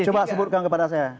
coba sebutkan kepada saya